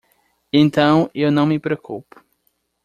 Então eu não me preocupo